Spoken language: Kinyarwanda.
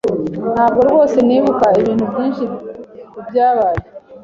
Ntabwo rwose nibuka ibintu byinshi kubyabaye.